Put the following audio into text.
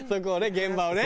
現場をね。